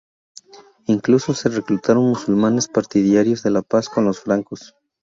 Incluso se reclutaron musulmanes partidarios de la paz con los francos.